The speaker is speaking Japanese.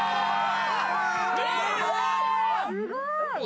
すごい！